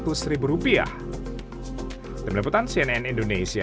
demikian peneliputan cnn indonesia